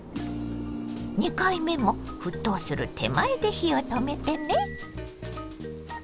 ２回目も沸騰する手前で火を止めてね。